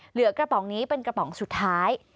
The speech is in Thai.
เหลือกระป๋องนี้เป็นกระป๋องสุดท้าย